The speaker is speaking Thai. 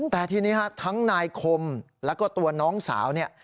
แต่ทีนี้ฮะทั้งนายคมแล้วก็ตัวน้องสาวเนี่ย